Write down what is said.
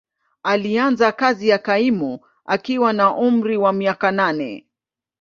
Alianza kazi ya kaimu akiwa na umri wa miaka nane.